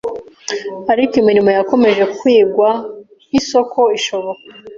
Ariko imirimo yakomeje kwigwa nkisoko ishoboka